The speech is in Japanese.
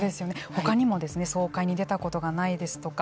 他にも総会に出たことがないですとか